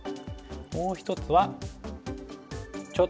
もう１つはちょっと。